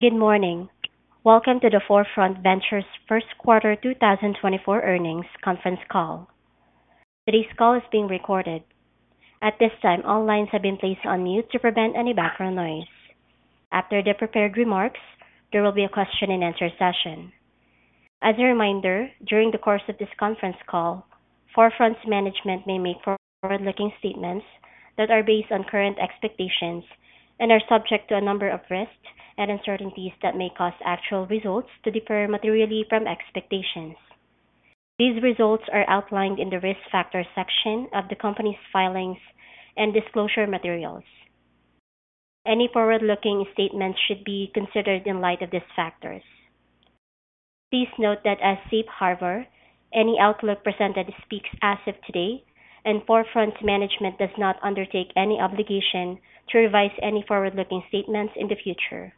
Good morning. Welcome to the 4Front Ventures first quarter 2024 earnings conference call. Today's call is being recorded. At this time, all lines have been placed on mute to prevent any background noise. After the prepared remarks, there will be a question and answer session. As a reminder, during the course of this conference call, 4Front's management may make forward-looking statements that are based on current expectations and are subject to a number of risks and uncertainties that may cause actual results to differ materially from expectations. These results are outlined in the Risk Factors section of the company's filings and disclosure materials. Any forward-looking statements should be considered in light of these factors. Please note that as Safe Harbor, any outlook presented speaks as of today, and 4Front management does not undertake any obligation to revise any forward-looking statements in the future.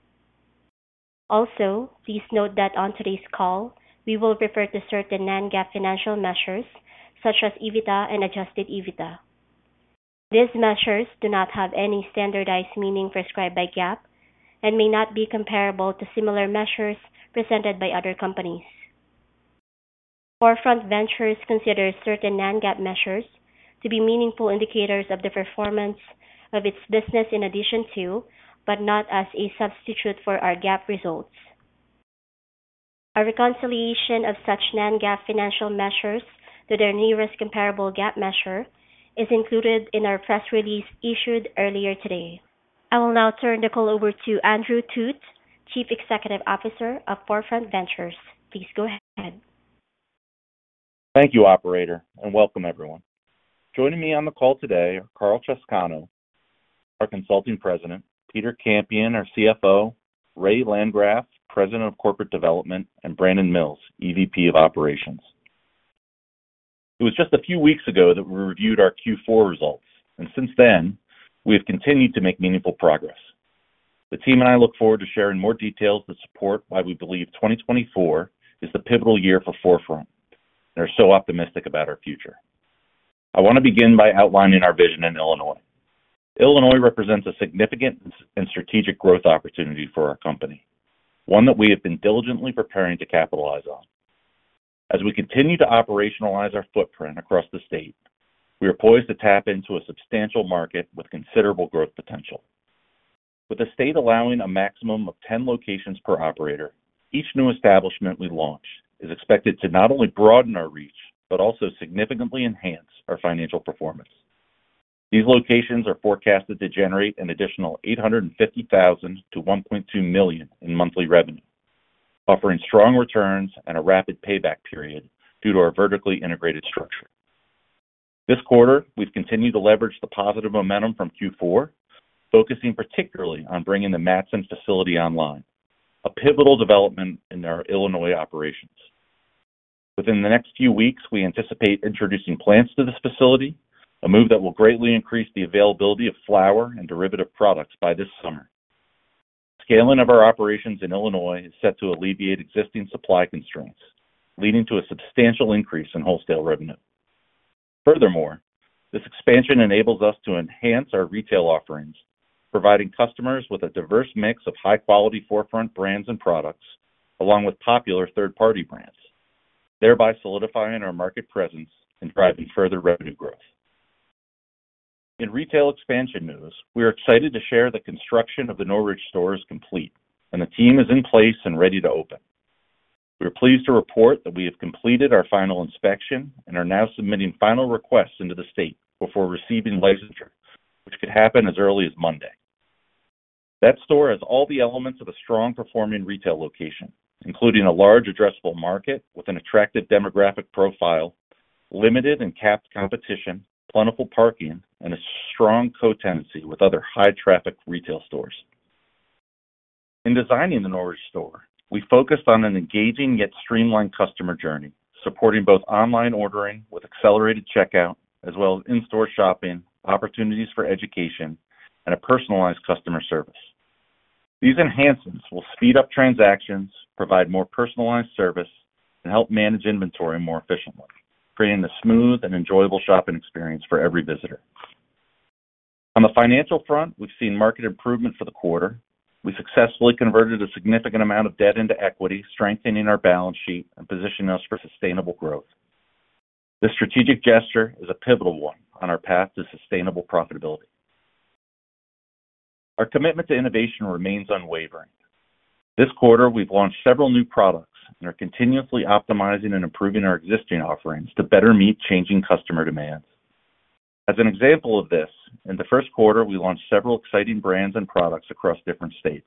Also, please note that on today's call, we will refer to certain non-GAAP financial measures such as EBITDA and adjusted EBITDA. These measures do not have any standardized meaning prescribed by GAAP and may not be comparable to similar measures presented by other companies. 4Front Ventures considers certain non-GAAP measures to be meaningful indicators of the performance of its business in addition to, but not as a substitute for, our GAAP results. A reconciliation of such non-GAAP financial measures to their nearest comparable GAAP measure is included in our press release issued earlier today. I will now turn the call over to Andrew Thut, Chief Executive Officer of 4Front Ventures. Please go ahead. Thank you, operator, and welcome everyone. Joining me on the call today are Karl Chowscano, our Consulting President, Peter Campion, our CFO, Ray Landgraf, President of Corporate Development, and Brandon Mills, EVP of Operations. It was just a few weeks ago that we reviewed our Q4 results, and since then, we have continued to make meaningful progress. The team and I look forward to sharing more details that support why we believe 2024 is the pivotal year for 4Front and are so optimistic about our future. I want to begin by outlining our vision in Illinois. Illinois represents a significant and strategic growth opportunity for our company, one that we have been diligently preparing to capitalize on. As we continue to operationalize our footprint across the state, we are poised to tap into a substantial market with considerable growth potential. With the state allowing a maximum of 10 locations per operator, each new establishment we launch is expected to not only broaden our reach, but also significantly enhance our financial performance. These locations are forecasted to generate an additional $850,000-$1.2 million in monthly revenue, offering strong returns and a rapid payback period due to our vertically integrated structure. This quarter, we've continued to leverage the positive momentum from Q4, focusing particularly on bringing the Matteson facility online, a pivotal development in our Illinois operations. Within the next few weeks, we anticipate introducing plants to this facility, a move that will greatly increase the availability of flower and derivative products by this summer. Scaling of our operations in Illinois is set to alleviate existing supply constraints, leading to a substantial increase in wholesale revenue. Furthermore, this expansion enables us to enhance our retail offerings, providing customers with a diverse mix of high-quality 4Front brands and products, along with popular third-party brands, thereby solidifying our market presence and driving further revenue growth. In retail expansion news, we are excited to share the construction of the Norridge store is complete, and the team is in place and ready to open. We are pleased to report that we have completed our final inspection and are now submitting final requests into the state before receiving licensure, which could happen as early as Monday. That store has all the elements of a strong-performing retail location, including a large addressable market with an attractive demographic profile, limited and capped competition, plentiful parking, and a strong co-tenancy with other high-traffic retail stores. In designing the Norridge store, we focused on an engaging yet streamlined customer journey, supporting both online ordering with accelerated checkout as well as in-store shopping, opportunities for education, and a personalized customer service. These enhancements will speed up transactions, provide more personalized service, and help manage inventory more efficiently, creating a smooth and enjoyable shopping experience for every visitor. On the financial front, we've seen market improvement for the quarter. We successfully converted a significant amount of debt into equity, strengthening our balance sheet and positioning us for sustainable growth. This strategic gesture is a pivotal one on our path to sustainable profitability. Our commitment to innovation remains unwavering. This quarter, we've launched several new products and are continuously optimizing and improving our existing offerings to better meet changing customer demands. As an example of this, in the first quarter, we launched several exciting brands and products across different states.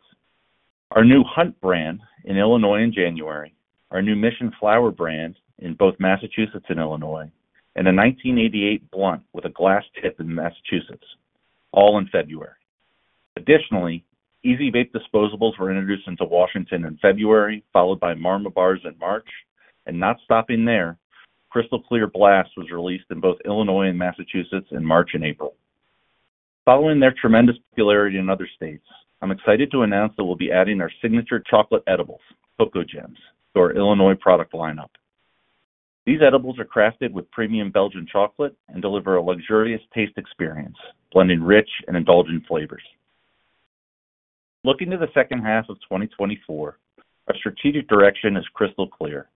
Our new Hunt brand in Illinois in January, our new Mission Flower brand in both Massachusetts and Illinois, and a 1988 blunt with a glass tip in Massachusetts, all in February. Additionally, Easy Vape disposables were introduced into Washington in February, followed by Marmas Bars in March, and not stopping there, Crystal Clear Blast was released in both Illinois and Massachusetts in March and April. Following their tremendous popularity in other states, I'm excited to announce that we'll be adding our signature chocolate edibles, Koko Gemz, to our Illinois product lineup. These edibles are crafted with premium Belgian chocolate and deliver a luxurious taste experience, blending rich and indulgent flavors. Looking to the second half of 2024, our strategic direction is crystal clear.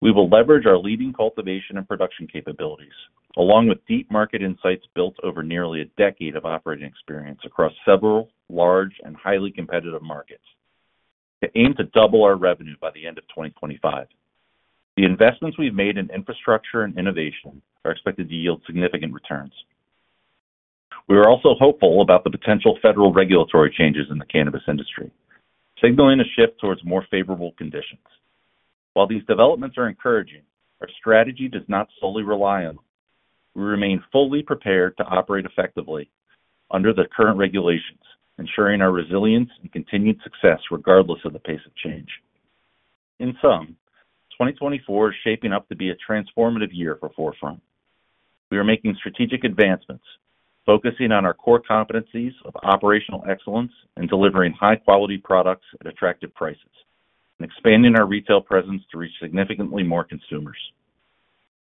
We will leverage our leading cultivation and production capabilities, along with deep market insights built over nearly a decade of operating experience across several large and highly competitive markets, to aim to double our revenue by the end of 2025. The investments we've made in infrastructure and innovation are expected to yield significant returns. We are also hopeful about the potential federal regulatory changes in the cannabis industry, signaling a shift towards more favorable conditions. While these developments are encouraging, our strategy does not solely rely on them. We remain fully prepared to operate effectively under the current regulations, ensuring our resilience and continued success regardless of the pace of change. In sum, 2024 is shaping up to be a transformative year for 4Front. We are making strategic advancements, focusing on our core competencies of operational excellence and delivering high-quality products at attractive prices, and expanding our retail presence to reach significantly more consumers.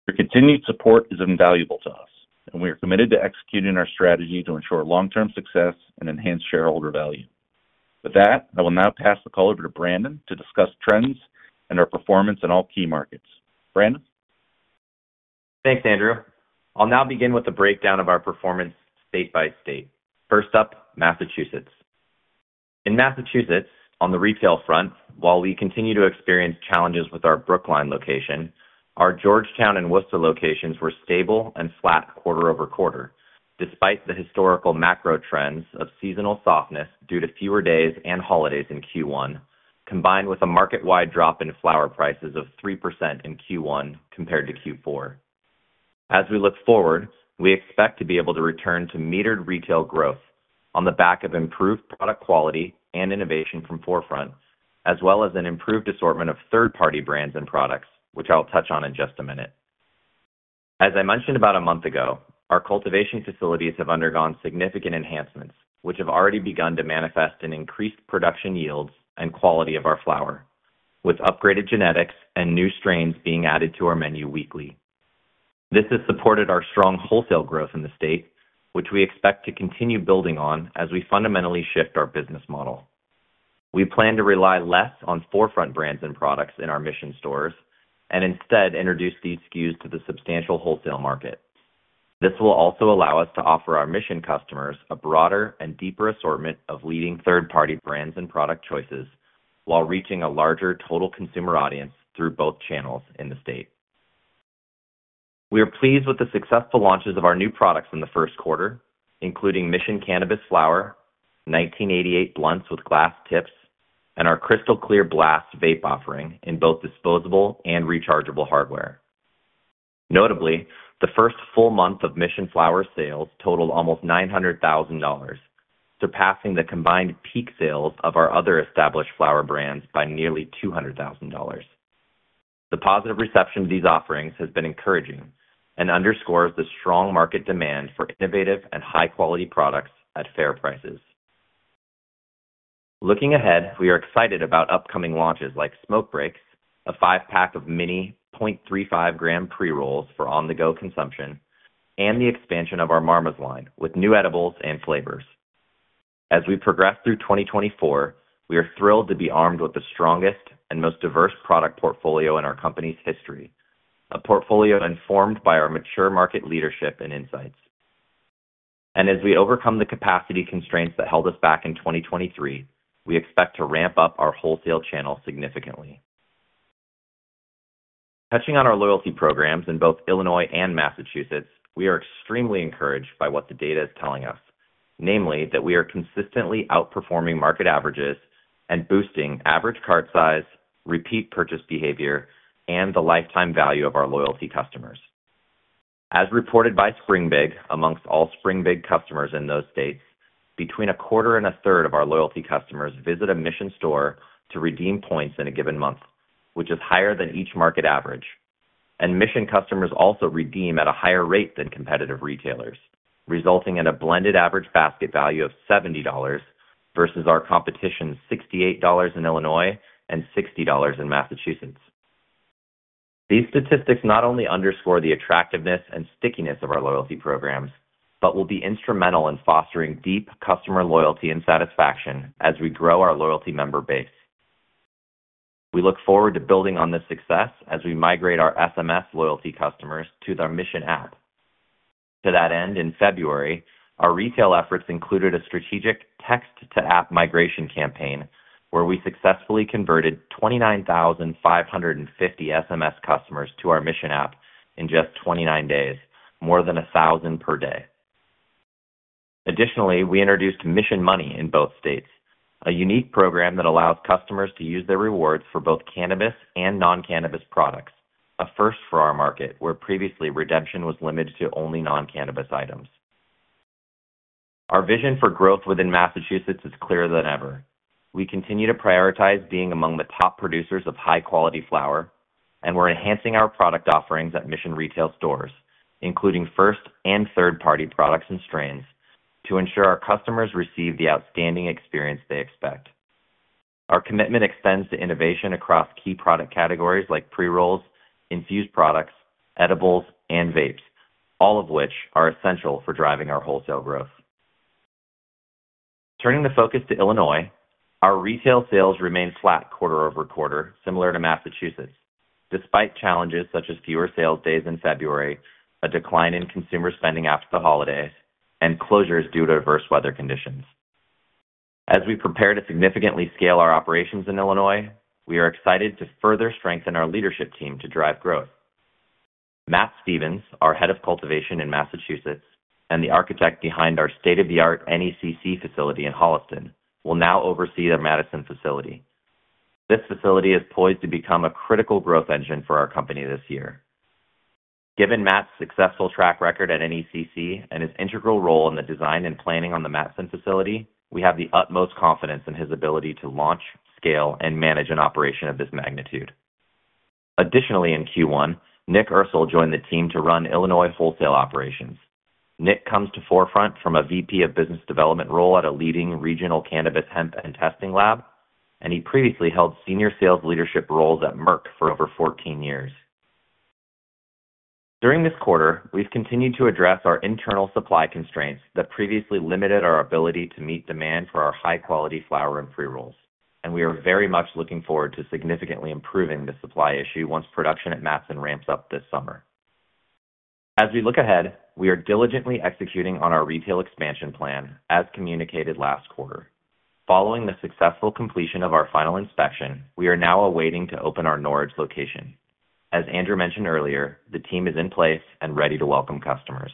Your continued support is invaluable to us, and we are committed to executing our strategy to ensure long-term success and enhance shareholder value. With that, I will now pass the call over to Brandon to discuss trends and our performance in all key markets. Brandon? Thanks, Andrew. I'll now begin with a breakdown of our performance state by state. First up, Massachusetts. In Massachusetts, on the retail front, while we continue to experience challenges with our Brookline location, our Georgetown and Worcester locations were stable and flat quarter-over-quarter, despite the historical macro trends of seasonal softness due to fewer days and holidays in Q1, combined with a market-wide drop in flower prices of 3% in Q1 compared to Q4. As we look forward, we expect to be able to return to metered retail growth on the back of improved product quality and innovation from 4Front, as well as an improved assortment of third-party brands and products, which I'll touch on in just a minute. As I mentioned about a month ago, our cultivation facilities have undergone significant enhancements, which have already begun to manifest in increased production yields and quality of our flower, with upgraded genetics and new strains being added to our menu weekly. This has supported our strong wholesale growth in the state, which we expect to continue building on as we fundamentally shift our business model. We plan to rely less on 4Front brands and products in our Mission stores and instead introduce these SKUs to the substantial wholesale market. This will also allow us to offer our Mission customers a broader and deeper assortment of leading third-party brands and product choices, while reaching a larger total consumer audience through both channels in the state. We are pleased with the successful launches of our new products in the first quarter, including Mission Cannabis Flower, 1988 blunts with glass tips, and our Crystal Clear Blast vape offering in both disposable and rechargeable hardware. Notably, the first full month of Mission Flower sales totaled almost $900,000, surpassing the combined peak sales of our other established flower brands by nearly $200,000. The positive reception of these offerings has been encouraging and underscores the strong market demand for innovative and high-quality products at fair prices. Looking ahead, we are excited about upcoming launches like Smoke Breaks, a 5-pack of mini 0.35-gram pre-rolls for on-the-go consumption, and the expansion of our Marmas line with new edibles and flavors. As we progress through 2024, we are thrilled to be armed with the strongest and most diverse product portfolio in our company's history, a portfolio informed by our mature market leadership and insights. As we overcome the capacity constraints that held us back in 2023, we expect to ramp up our wholesale channel significantly. Touching on our loyalty programs in both Illinois and Massachusetts, we are extremely encouraged by what the data is telling us. Namely, that we are consistently outperforming market averages and boosting average cart size, repeat purchase behavior, and the lifetime value of our loyalty customers. As reported by Springbig, amongst all Springbig customers in those states, between a quarter and a third of our loyalty customers visit a Mission store to redeem points in a given month, which is higher than each market average. Mission customers also redeem at a higher rate than competitive retailers, resulting in a blended average basket value of $70 versus our competition, $68 in Illinois and $60 in Massachusetts. These statistics not only underscore the attractiveness and stickiness of our loyalty programs, but will be instrumental in fostering deep customer loyalty and satisfaction as we grow our loyalty member base. We look forward to building on this success as we migrate our SMS loyalty customers to the Mission App. To that end, in February, our retail efforts included a strategic text-to-app migration campaign, where we successfully converted 29,550 SMS customers to our Mission App in just 29 days, more than 1,000 per day. Additionally, we introduced Mission Money in both states, a unique program that allows customers to use their rewards for both cannabis and non-cannabis products, a first for our market, where previously redemption was limited to only non-cannabis items. Our vision for growth within Massachusetts is clearer than ever. We continue to prioritize being among the top producers of high-quality flower, and we're enhancing our product offerings at Mission retail stores, including first and third-party products and strains, to ensure our customers receive the outstanding experience they expect.... Our commitment extends to innovation across key product categories like pre-rolls, infused products, edibles, and vapes, all of which are essential for driving our wholesale growth. Turning the focus to Illinois, our retail sales remained flat quarter-over-quarter, similar to Massachusetts, despite challenges such as fewer sales days in February, a decline in consumer spending after the holidays, and closures due to adverse weather conditions. As we prepare to significantly scale our operations in Illinois, we are excited to further strengthen our leadership team to drive growth. Matt Stevens, our Head of Cultivation in Massachusetts and the architect behind our state-of-the-art NECC facility in Holliston, will now oversee the Matteson facility. This facility is poised to become a critical growth engine for our company this year. Given Matt's successful track record at NECC and his integral role in the design and planning on the Matteson facility, we have the utmost confidence in his ability to launch, scale, and manage an operation of this magnitude. Additionally, in Q1, Nick Ursul joined the team to run Illinois wholesale operations. Nick comes to 4Front from a VP of Business Development role at a leading regional cannabis, hemp, and testing lab, and he previously held senior sales leadership roles at Merck for over 14 years. During this quarter, we've continued to address our internal supply constraints that previously limited our ability to meet demand for our high-quality flower and pre-rolls, and we are very much looking forward to significantly improving the supply issue once production at Matteson ramps up this summer. As we look ahead, we are diligently executing on our retail expansion plan as communicated last quarter. Following the successful completion of our final inspection, we are now awaiting to open our Norridge location. As Andrew mentioned earlier, the team is in place and ready to welcome customers.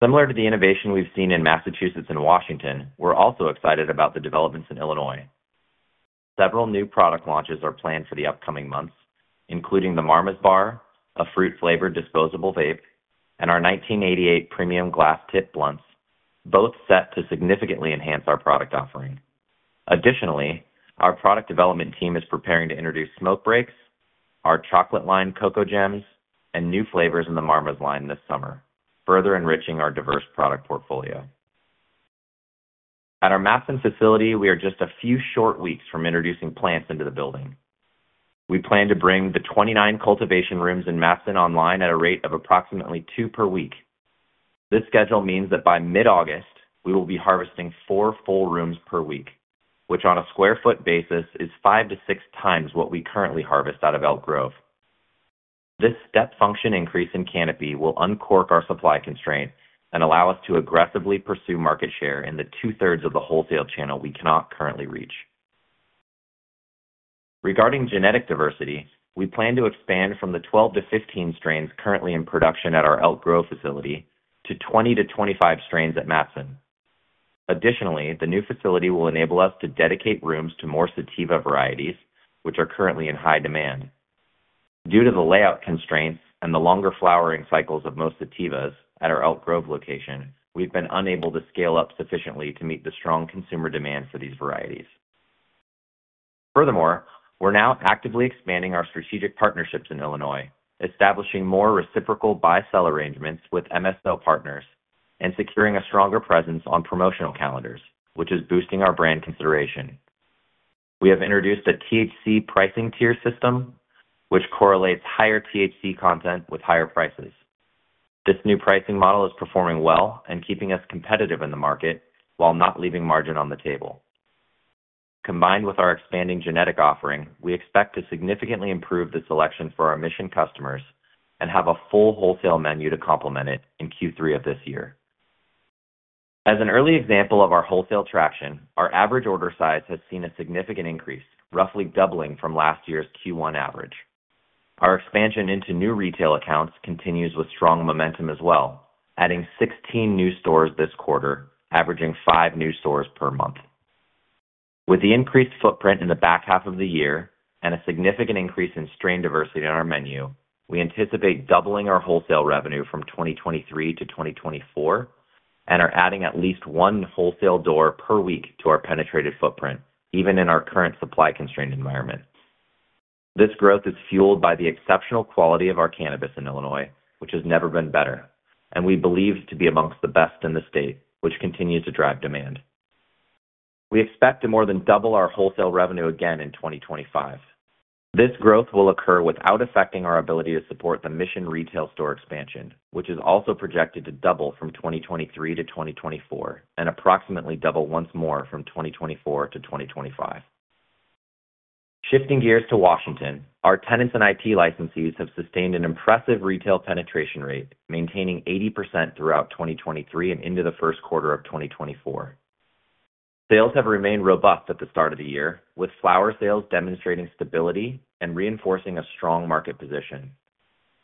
Similar to the innovation we've seen in Massachusetts and Washington, we're also excited about the developments in Illinois. Several new product launches are planned for the upcoming months, including the Marmas Bar, a fruit-flavored disposable vape, and our 1988 premium glass-tipped blunts, both set to significantly enhance our product offering. Additionally, our product development team is preparing to introduce Smoke Breaks, our Koko Gemz, and new flavors in the Marmas line this summer, further enriching our diverse product portfolio. At our Matteson facility, we are just a few short weeks from introducing plants into the building. We plan to bring the 29 cultivation rooms in Matteson online at a rate of approximately 2 per week. This schedule means that by mid-August, we will be harvesting 4 full rooms per week, which on a square foot basis, is 5-6 times what we currently harvest out of Elk Grove. This step function increase in canopy will uncork our supply constraint and allow us to aggressively pursue market share in the 2/3 of the wholesale channel we cannot currently reach. Regarding genetic diversity, we plan to expand from the 12-15 strains currently in production at our Elk Grove facility to 20-25 strains at Matteson. Additionally, the new facility will enable us to dedicate rooms to more sativa varieties, which are currently in high demand. Due to the layout constraints and the longer flowering cycles of most sativas at our Elk Grove location, we've been unable to scale up sufficiently to meet the strong consumer demand for these varieties. Furthermore, we're now actively expanding our strategic partnerships in Illinois, establishing more reciprocal buy-sell arrangements with MSO partners and securing a stronger presence on promotional calendars, which is boosting our brand consideration. We have introduced a THC pricing tier system, which correlates higher THC content with higher prices. This new pricing model is performing well and keeping us competitive in the market while not leaving margin on the table. Combined with our expanding genetic offering, we expect to significantly improve the selection for our Mission customers and have a full wholesale menu to complement it in Q3 of this year. As an early example of our wholesale traction, our average order size has seen a significant increase, roughly doubling from last year's Q1 average. Our expansion into new retail accounts continues with strong momentum as well, adding 16 new stores this quarter, averaging 5 new stores per month. With the increased footprint in the back half of the year and a significant increase in strain diversity on our menu, we anticipate doubling our wholesale revenue from 2023 to 2024, and are adding at least 1 wholesale door per week to our penetrated footprint, even in our current supply-constrained environment. This growth is fueled by the exceptional quality of our cannabis in Illinois, which has never been better, and we believe to be amongst the best in the state, which continues to drive demand. We expect to more than double our wholesale revenue again in 2025. This growth will occur without affecting our ability to support the Mission retail store expansion, which is also projected to double from 2023 to 2024, and approximately double once more from 2024 to 2025. Shifting gears to Washington, our tenants and IP licensees have sustained an impressive retail penetration rate, maintaining 80% throughout 2023 and into the first quarter of 2024. Sales have remained robust at the start of the year, with flower sales demonstrating stability and reinforcing a strong market position.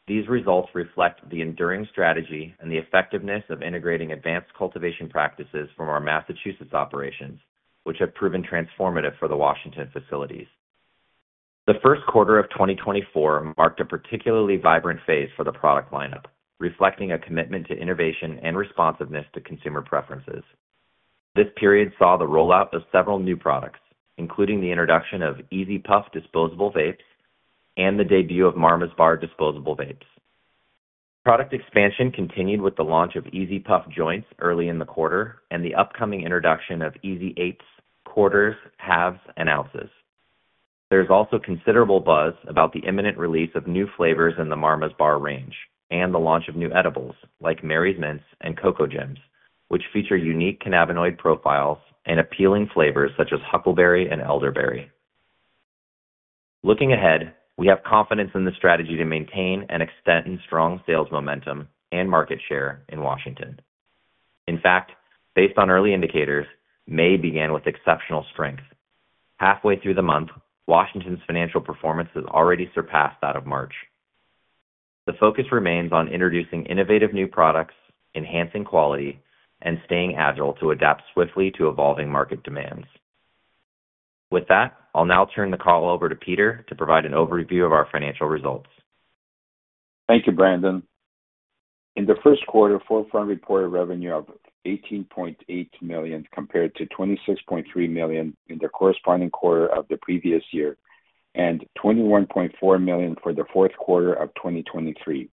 These results reflect the enduring strategy and the effectiveness of integrating advanced cultivation practices from our Massachusetts operations, which have proven transformative for the Washington facilities. The first quarter of 2024 marked a particularly vibrant phase for the product lineup, reflecting a commitment to innovation and responsiveness to consumer preferences. This period saw the rollout of several new products, including the introduction of Easy Puff disposable vapes and the debut of Marmas Bar disposable vapes. Product expansion continued with the launch of Easy Puff Joints early in the quarter and the upcoming introduction of Easy Eights, Quarters, Halves, and Ounces. There's also considerable buzz about the imminent release of new flavors in the Marmas Bar range and the launch of new edibles like Mari's Mints and Koko Gemz, which feature unique cannabinoid profiles and appealing flavors, such as huckleberry and elderberry. Looking ahead, we have confidence in the strategy to maintain and extend strong sales momentum and market share in Washington. In fact, based on early indicators, May began with exceptional strength. Halfway through the month, Washington's financial performance has already surpassed that of March. The focus remains on introducing innovative new products, enhancing quality, and staying agile to adapt swiftly to evolving market demands. With that, I'll now turn the call over to Peter to provide an overview of our financial results. Thank you, Brandon. In the first quarter, 4Front reported revenue of $18.8 million, compared to $26.3 million in the corresponding quarter of the previous year, and $21.4 million for the fourth quarter of 2023.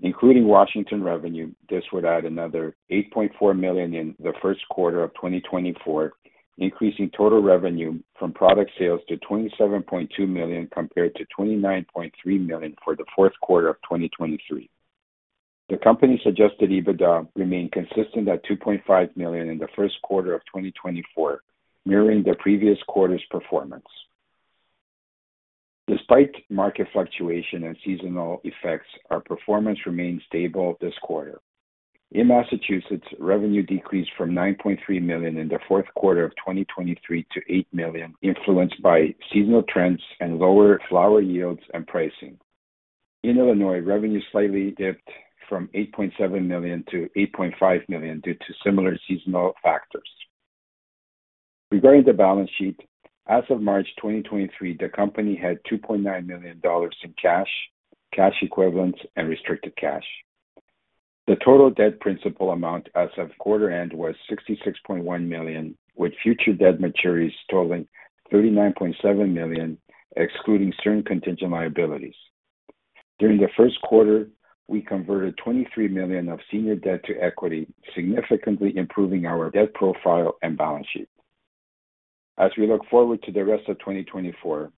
Including Washington revenue, this would add another $8.4 million in the first quarter of 2024, increasing total revenue from product sales to $27.2 million, compared to $29.3 million for the fourth quarter of 2023. The company suggested EBITDA remained consistent at $2.5 million in the first quarter of 2024, mirroring the previous quarter's performance. Despite market fluctuation and seasonal effects, our performance remained stable this quarter. In Massachusetts, revenue decreased from $9.3 million in the fourth quarter of 2023 to $8 million, influenced by seasonal trends and lower flower yields and pricing. In Illinois, revenue slightly dipped from $8.7 million to $8.5 million due to similar seasonal factors. Regarding the balance sheet, as of March 2023, the company had $2.9 million in cash, cash equivalents, and restricted cash. The total debt principal amount as of quarter end was $66.1 million, with future debt maturities totaling $39.7 million, excluding certain contingent liabilities. During the first quarter, we converted $23 million of senior debt to equity, significantly improving our debt profile and balance sheet. As we look forward to the rest of 2024,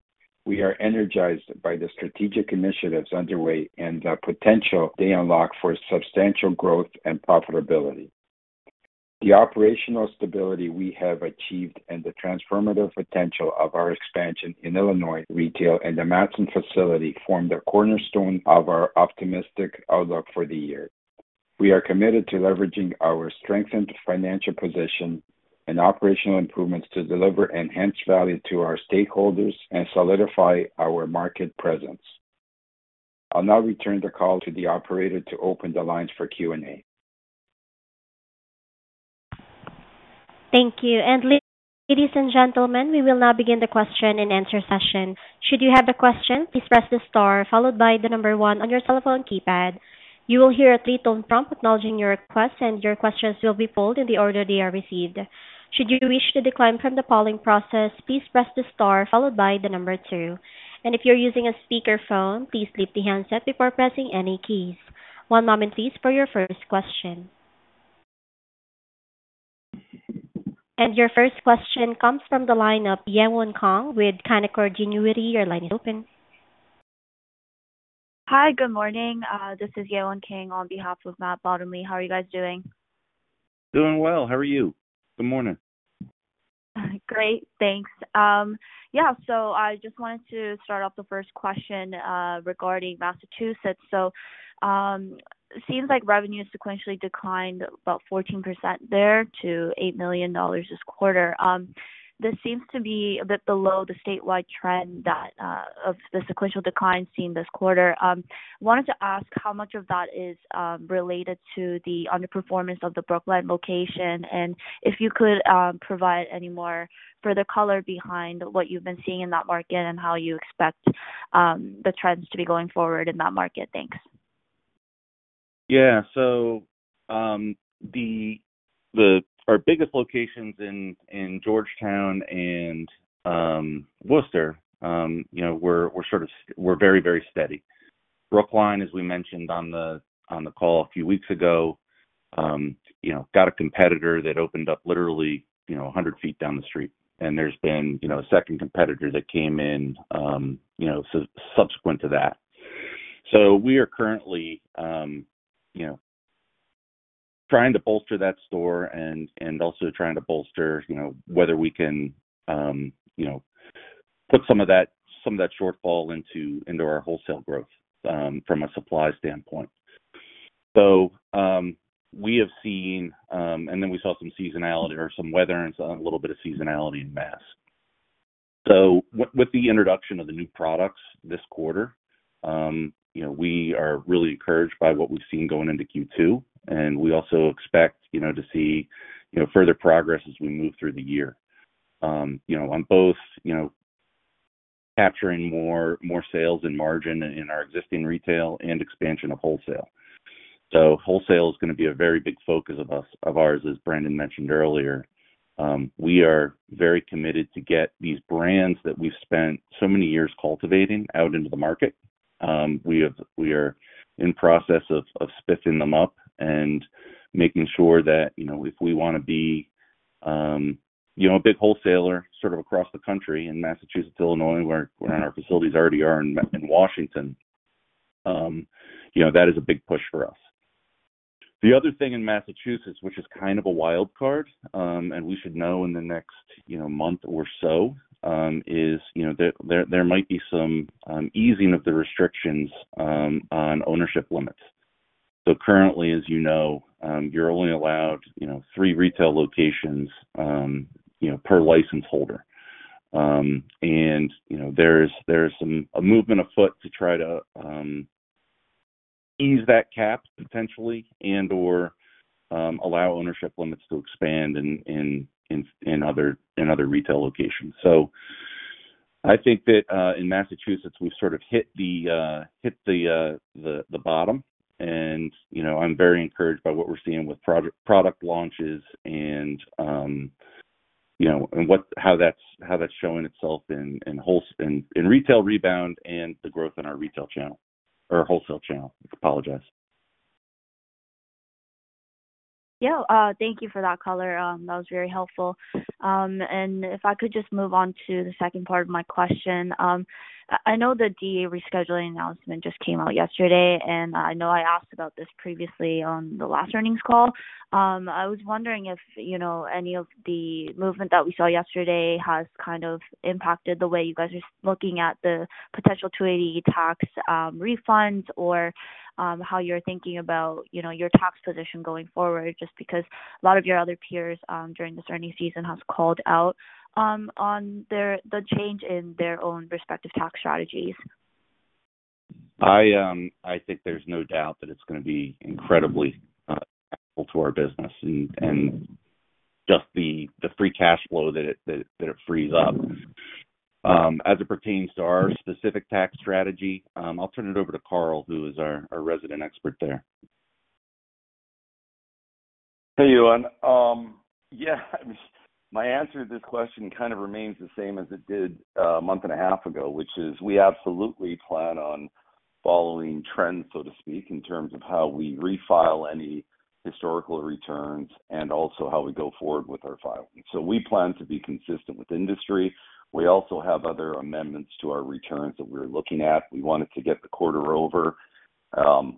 we are energized by the strategic initiatives underway and the potential they unlock for substantial growth and profitability. The operational stability we have achieved and the transformative potential of our expansion in Illinois retail and the Matteson facility form the cornerstone of our optimistic outlook for the year. We are committed to leveraging our strengthened financial position and operational improvements to deliver enhanced value to our stakeholders and solidify our market presence. I'll now return the call to the operator to open the lines for Q&A. Thank you. Ladies and gentlemen, we will now begin the question-and-answer session. Should you have a question, please press the star followed by the number one on your telephone keypad. You will hear a three-tone prompt acknowledging your request, and your questions will be pulled in the order they are received. Should you wish to decline from the polling process, please press the star followed by the number two. If you're using a speakerphone, please leave the handset before pressing any keys. One moment, please, for your first question. Your first question comes from the line of Yewon Kang with Canaccord Genuity. Your line is open. Hi, good morning. This is Yewon Kang on behalf of Matt Bottomley. How are you guys doing? Doing well. How are you? Good morning. Great, thanks. Yeah, so I just wanted to start off the first question regarding Massachusetts. So, seems like revenue sequentially declined about 14% there to $8 million this quarter. This seems to be a bit below the statewide trend that of the sequential decline seen this quarter. Wanted to ask how much of that is related to the underperformance of the Brookline location, and if you could provide any more further color behind what you've been seeing in that market and how you expect the trends to be going forward in that market? Thanks. Yeah. So, our biggest locations in Georgetown and Worcester, you know, were very, very steady. Brookline, as we mentioned on the call a few weeks ago, you know, got a competitor that opened up literally, you know, 100 feet down the street. And there's been, you know, a second competitor that came in, you know, subsequent to that. So we are currently, you know, trying to bolster that store and also trying to bolster, you know, whether we can, you know, put some of that shortfall into our wholesale growth, from a supply standpoint. So, we have seen, and then we saw some seasonality or some weather and a little bit of seasonality in Mass. So with the introduction of the new products this quarter, you know, we are really encouraged by what we've seen going into Q2, and we also expect, you know, to see, you know, further progress as we move through the year. You know, on both, you know, capturing more sales and margin in our existing retail and expansion of wholesale. So wholesale is gonna be a very big focus of us, of ours, as Brandon mentioned earlier.... We are very committed to get these brands that we've spent so many years cultivating out into the market. We are in process of spiffing them up and making sure that, you know, if we wanna be, you know, a big wholesaler sort of across the country in Massachusetts, Illinois, where our facilities already are in Washington, you know, that is a big push for us. The other thing in Massachusetts, which is kind of a wild card, and we should know in the next, you know, month or so, is, you know, there might be some easing of the restrictions on ownership limits. So currently, as you know, you're only allowed, you know, three retail locations, you know, per license holder. And, you know, there's some... A movement afoot to try to ease that cap potentially and/or allow ownership limits to expand in other retail locations. So I think that in Massachusetts, we've sort of hit the bottom. And, you know, I'm very encouraged by what we're seeing with product launches and, you know, and what, how that's showing itself in wholesale. In retail rebound and the growth in our retail channel or wholesale channel. I apologize. Yeah. Thank you for that color. That was very helpful. And if I could just move on to the second part of my question. I know the DEA rescheduling announcement just came out yesterday, and I know I asked about this previously on the last earnings call. I was wondering if, you know, any of the movement that we saw yesterday has kind of impacted the way you guys are looking at the potential 280E tax refunds, or how you're thinking about, you know, your tax position going forward. Just because a lot of your other peers during this earnings season has called out on their the change in their own respective tax strategies. I think there's no doubt that it's gonna be incredibly helpful to our business and just the free cash flow that it frees up. As it pertains to our specific tax strategy, I'll turn it over to Karl, who is our resident expert there. Hey, Yewon. Yeah, my answer to this question kind of remains the same as it did a month and a half ago, which is we absolutely plan on following trends, so to speak, in terms of how we refile any historical returns and also how we go forward with our filings. So we plan to be consistent with industry. We also have other amendments to our returns that we're looking at. We wanted to get the quarter over,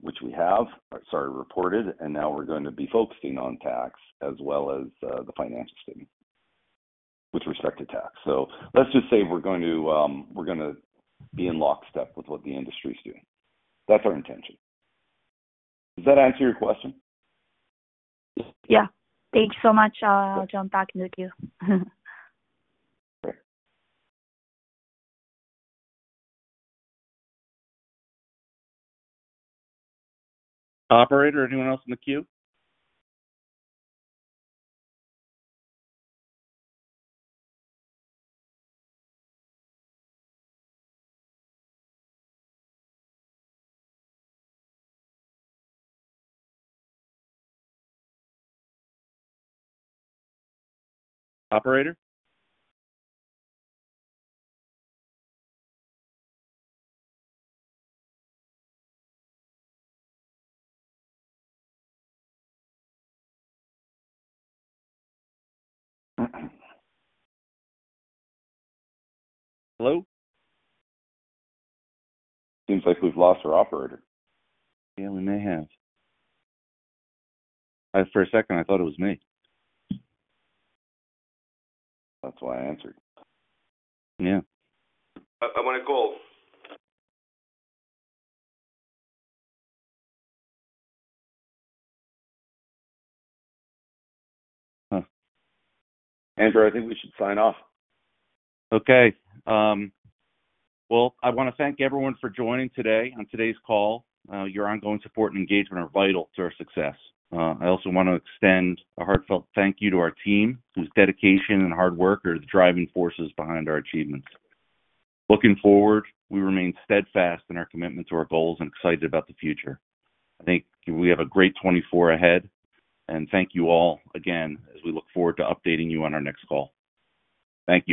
which we have reported, and now we're going to be focusing on tax as well as the financial statement with respect to tax. So let's just say we're going to, we're gonna be in lockstep with what the industry is doing. That's our intention. Does that answer your question? Yeah. Thank you so much. I'll jump back into the queue. Operator, anyone else in the queue? Operator? Hello? Seems like we've lost our operator. Yeah, we may have. For a second, I thought it was me. That's why I answered. Yeah. I'm gonna go. Huh. Andrew, I think we should sign off. Okay. Well, I wanna thank everyone for joining today on today's call. Your ongoing support and engagement are vital to our success. I also want to extend a heartfelt thank you to our team, whose dedication and hard work are the driving forces behind our achievements. Looking forward, we remain steadfast in our commitment to our goals and excited about the future. I think we have a great 2024 ahead, and thank you all again as we look forward to updating you on our next call. Thank you.